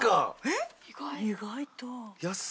意外と。